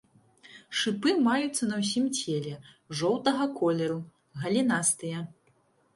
Шыпы маюцца на ўсім целе, жоўтага колеру, галінастыя.